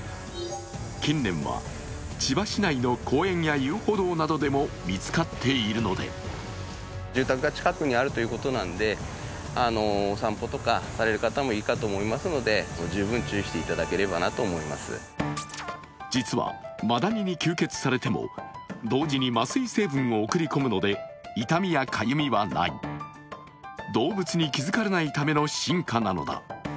近年は千葉市内の公園や遊歩道などでも見つかっているので実は、マダニに吸血されても同時に麻酔成分を送り込むので痛みやかゆみはない、動物に気づかれないための進化なのだ。